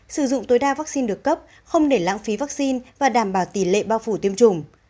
sử dụng tối đa vaccine được cấp không để lãng phí vaccine và đảm bảo tỷ lệ bao phủ tiêm chủng